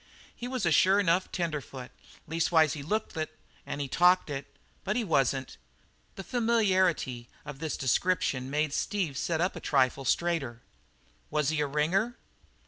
"He was a sure enough tenderfoot leastways he looked it an' he talked it, but he wasn't." The familiarity of this description made Steve sit up a trifle straighter. "Was he a ringer?"